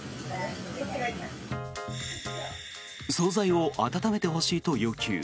総菜を温めてほしいと要求。